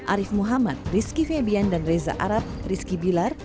arief muhammad rizky febian dan reza arad rizky bilar